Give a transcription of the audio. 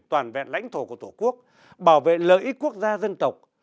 toàn vẹn lãnh thổ của tổ quốc bảo vệ lợi ích quốc gia dân tộc